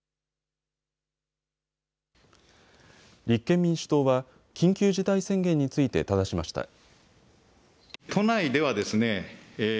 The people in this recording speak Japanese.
立憲民主党は緊急事態宣言についてただしました。